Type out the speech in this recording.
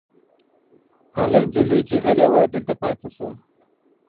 هغه نجلۍ چې غلې وه دلته پاتې شوه.